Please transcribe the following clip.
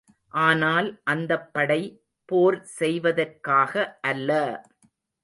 ஆனால் அந்தப் படை போர் செய்வதற்காக அல்ல!